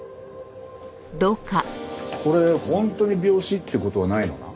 これ本当に病死って事はないのな？